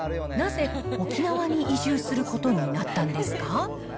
なぜ、沖縄に移住することになったんですか。